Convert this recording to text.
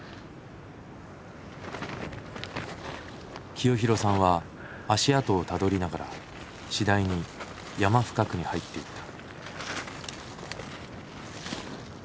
清弘さんは足跡をたどりながら次第に山深くに入っていった。